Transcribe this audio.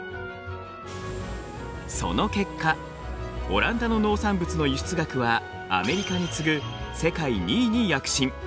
その結果オランダの農産物の輸出額はアメリカに次ぐ世界２位に躍進。